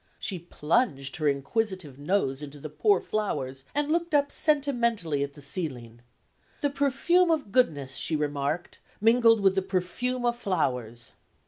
She plunged her inquisitive nose into the poor flowers, and looked up sentimentally at the ceiling. "The perfume of goodness," she remarked, "mingled with the perfume of flowers!"